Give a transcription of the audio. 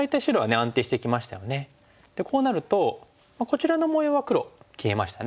こうなるとこちらの模様は黒消えましたね。